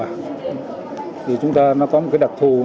thì chúng ta nó có một cái đặc thù